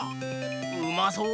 うまそう！